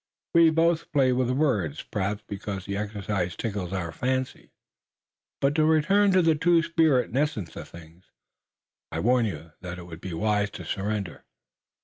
We both play with words, perhaps because the exercise tickles our fancy, but to return to the true spirit and essence of things, I warn you that it would be wise to surrender.